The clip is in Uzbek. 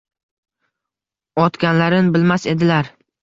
Otganlarin bilmas edilar…